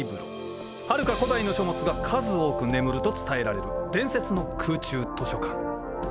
はるか古代の書物が数多く眠ると伝えられる伝説の空中図書館。